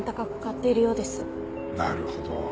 なるほど。